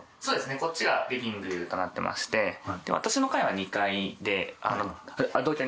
こっちがリビングとなっていまして私の階は２階で。